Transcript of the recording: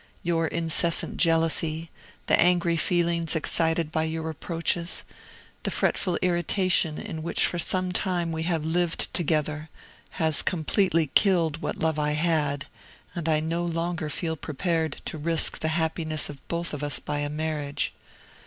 Your incessant jealousy, the angry feelings excited by your reproaches, the fretful irritation in which for some time we have lived together, has completely killed what love I had, and I no longer feel prepared to risk the happiness of both of us by a marriage.